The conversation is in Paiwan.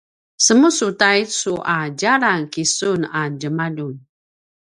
semusu taicu a djalan kisun a djemaljun